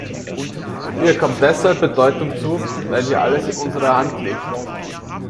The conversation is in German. Ihr kommt deshalb Bedeutung zu, weil hier alles in unserer Hand liegt.